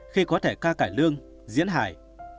khi có thể ca cải lương diễn hải